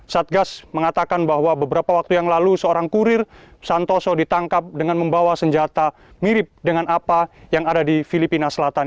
satgas mengatakan bahwa beberapa waktu yang lalu seorang kurir santoso ditangkap dengan membawa senjata mirip dengan apa yang ada di filipina selatan